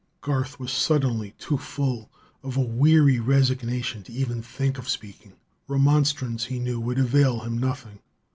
Garth was suddenly too full of a weary resignation to even think of speaking. Remonstrance, he knew, would avail him nothing.